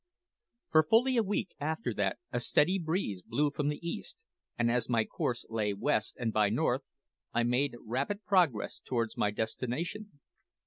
For fully a week after that a steady breeze blew from the east, and as my course lay west and by north, I made rapid progress towards my destination.